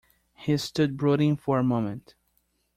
He stood brooding for a moment.